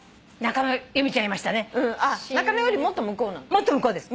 もっと向こうです。